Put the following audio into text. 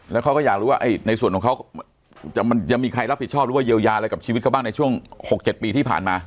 แล้วเขาก็อยากรู้ว่าในส่วนของเขามันยังมีใครรับผิดชอบหรือว่าเยียวยาอะไรกับชีวิตเขาบ้างในช่วง๖๗ปีที่ผ่านมา